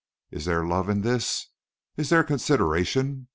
Is there love in this? Is there consideration?